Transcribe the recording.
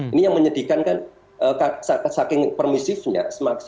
ini yang menyedihkan kan saking permisifnya